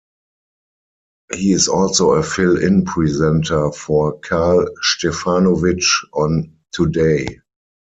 He is also a fill-in presenter for Karl Stefanovic on "Today".